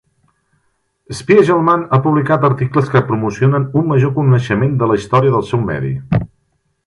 Spiegelman ha publicat articles que promocionen un major coneixement de la història del seu medi.